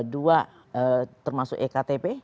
dua termasuk ektp